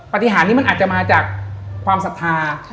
ปฏิหารนี้มันอาจจะมาจากความศรัทธา